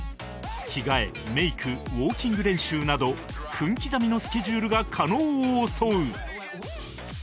着替えメイクウォーキング練習など分刻みのスケジュールが加納を襲う！